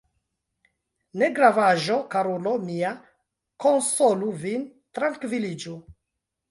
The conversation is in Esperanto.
Negravaĵo, karulo mia, konsolu vin, trankviliĝu.